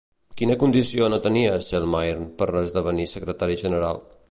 Quina condició no tenia Selmayr per esdevenir secretari general?